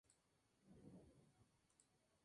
Es el actual vicepresidente de diseño en Google.